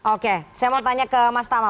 oke saya mau tanya ke mas tamal